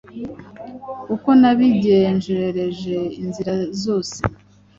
Uko nabigenjereje inzira zose